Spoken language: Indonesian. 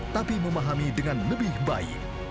tapi memahami dengan lebih baik